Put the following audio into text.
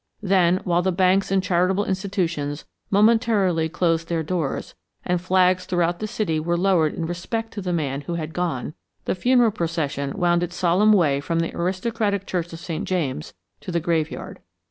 Then, while the banks and charitable institutions momentarily closed their doors, and flags throughout the city were lowered in respect to the man who had gone, the funeral procession wound its solemn way from the aristocratic church of St. James, to the graveyard.